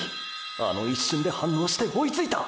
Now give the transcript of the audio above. あの一瞬で反応して追いついた！！